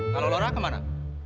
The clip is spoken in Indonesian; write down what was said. kalau laura kemana